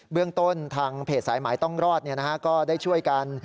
เรื่องต้นทางเพจสายหมายต้องรอดก็ได้ช่วยกัน